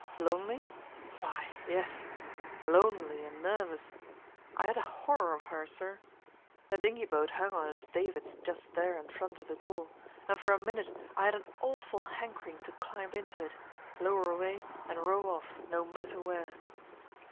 Lonely? My, yes! Lonely and nervous. I had a horror of her, sir. The dinghy boat hung on its davits just there in front of the door, and for a minute I had an awful hankering to climb into it, lower away, and row off, no matter where.